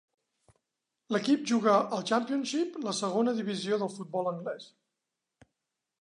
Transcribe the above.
L'equip juga al Championship, la segona divisió del futbol anglès.